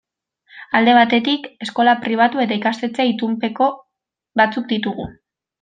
Alde batetik, eskola pribatu eta ikastetxe itunpeko batzuk ditugu.